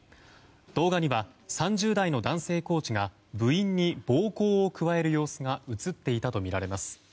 動画には３０代の男性コーチが部員に暴行を加える様子が映っていたとみられます。